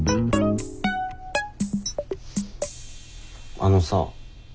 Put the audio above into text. あのさ。